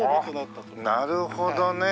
なるほどね。